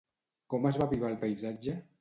Com es va avivar el paisatge?